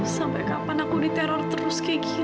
sampai kapan aku diteror terus kayak gini